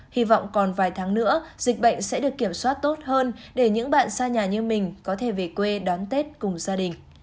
hy vọng còn vài tháng nữa dịch bệnh sẽ được kiểm soát tốt hơn để những bạn xa nhà như mình có thể về quê đón tết cùng gia đình